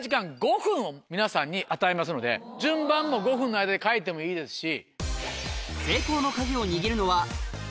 皆さんに与えますので順番も５分の間で換えてもいいですし。